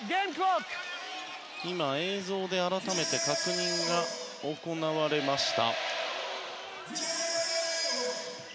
映像で改めて確認が行われました。